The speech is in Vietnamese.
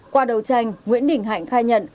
qua đầu tranh nguyễn đình hạnh khai nhận